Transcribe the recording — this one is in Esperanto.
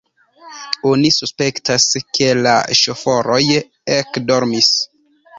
Oni suspektas, ke la ŝoforoj ekdormis.